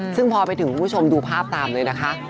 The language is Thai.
ซึ่งพอไปถึงคุณผู้ชมดูภาพตามเลยนะคะ